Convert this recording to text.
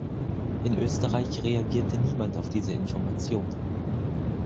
In Österreich reagierte niemand auf diese Informationen.